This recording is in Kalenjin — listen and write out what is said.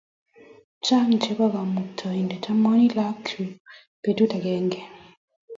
Chang chebo Kamuktaindet, amwoini lakok chuk betut agenge